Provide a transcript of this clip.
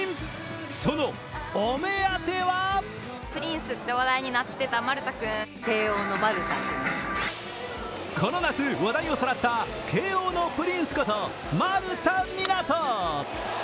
そのお目当てはこの夏、話題をさらった慶応のプリンスこと丸田湊斗。